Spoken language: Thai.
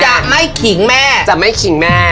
จะไม่ขิงแม่จะไม่ขิงแม่